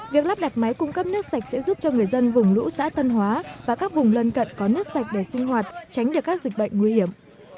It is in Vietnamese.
việc lắp đặt máy cung cấp nước sạch sẽ giúp cho người dân vùng lũ xã tân hóa và các vùng lân cận có nước sạch để sinh hoạt tránh được các dịch bệnh nguy hiểm